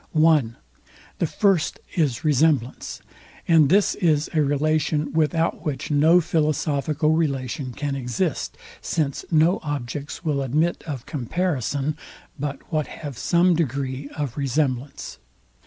(1) The first is RESEMBLANCE: And this is a relation, without which no philosophical relation can exist; since no objects will admit of comparison, but what have some degree of resemblance.